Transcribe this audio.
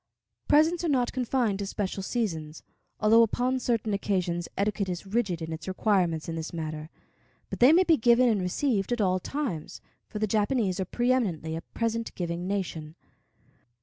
Presents are not confined to special seasons, although upon certain occasions etiquette is rigid in its requirements in this matter, but they may be given and received at all times, for the Japanese are preëminently a present giving nation.